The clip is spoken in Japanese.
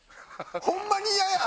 ホンマに嫌や！